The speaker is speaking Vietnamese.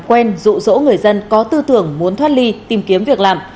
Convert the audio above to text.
quen rụ rỗ người dân có tư tưởng muốn thoát ly tìm kiếm việc làm